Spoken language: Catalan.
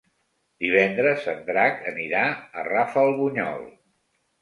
Divendres en Drac anirà a Rafelbunyol.